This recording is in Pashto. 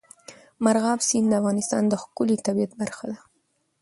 مورغاب سیند د افغانستان د ښکلي طبیعت برخه ده.